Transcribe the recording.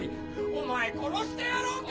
お前殺してやろうか？